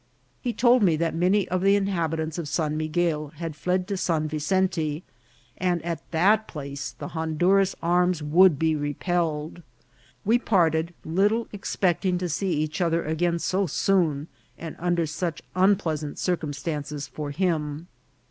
He told me that many of the inhabitants of San Miguel had fled to San Vicente, and at that place the Honduras arms would be repel led ; we parted, little expecting to see each other again so soon, and under such unpleasant circumstances for him.